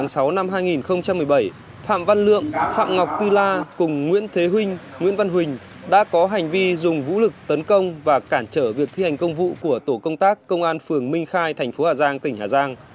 ngày hai mươi bảy tháng sáu năm hai nghìn một mươi bảy phạm văn lượng phạm ngọc tư la cùng nguyễn thế huynh nguyễn văn huỳnh đã có hành vi dùng vũ lực tấn công và cản trở việc thi hành công vụ của tổ công tác công an phường minh khai tp hà giang tỉnh hà giang